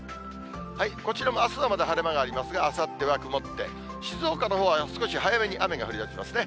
こちらもあすはまだ晴れ間もありますが、あさっては曇って、静岡のほうは少し早めに雨が降りだしますね。